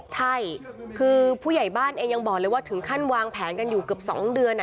ใช่คือผู้ใหญ่บ้านเองยังบอกเลยว่าถึงขั้นวางแผนกันอยู่เกือบ๒เดือน